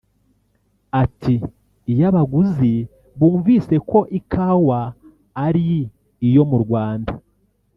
Ati “Iyo abaguzi bumvise ko ikawa ari iyo mu Rwanda